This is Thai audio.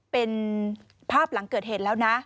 เป็นภาพหลังเกิดเหตุแล้วนะ